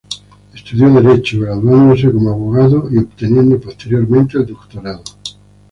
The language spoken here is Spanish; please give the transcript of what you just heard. Estudió derecho, graduándose como abogado y obteniendo posteriormente el doctorado.